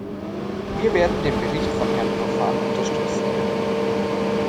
Wir werden den Bericht von Herrn Provan unterstützen.